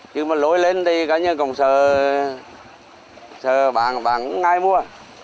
chứ mà lối lên thì cá nhân còn sợ sợ bạn ai mua